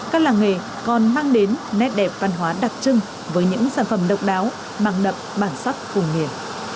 các làng nghề còn mang đến nét đẹp văn hóa đặc trưng với những sản phẩm độc đáo mặng đậm bản sắc cùng nghề